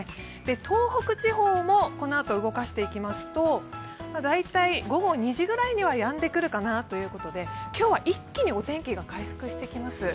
東北地方もこのあと、動かしていきますと午後２時くらいにはやんでくるかなということで今日は一気にお天気が回復してきます。